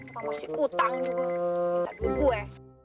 masih utang gue